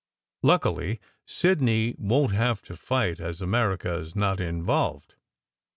Luckily, Sidney won t have to fight, as America s not involved.